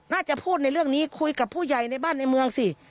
น่าจะพูดในเรื่องนี้คุยกับผู้ใหญ่ในบ้านในเมืองสิ